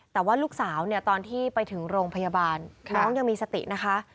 แต่ว่าลูกสาวเนี่ยตอนที่ไปถึงโรงพยาบาลน้องยังมีสตินะคะ